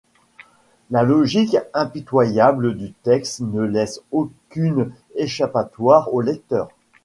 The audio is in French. La logique impitoyable du texte ne laisse aucune échappatoire au lecteur.